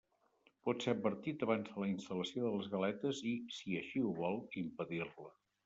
Pot ser advertit abans de la instal·lació de les galetes i, si així ho vol, impedir-la.